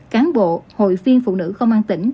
cán bộ hội phiên phụ nữ không an tỉnh